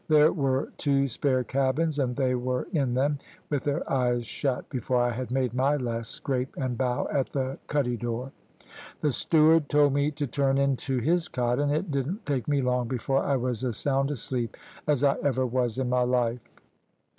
There were two spare cabins, and they were in them, with their eyes shut, before I had made my last scrape and bow at the cuddy door. The steward told me to turn into his cot, and it didn't take me long before I was as sound asleep as I ever was in my life.